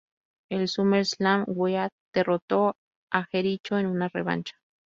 En SummerSlam, Wyatt derrotó a Jericho en una revancha.